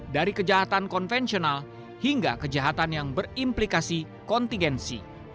dari kejahatan konvensional hingga kejahatan yang berimplikasi kontingensi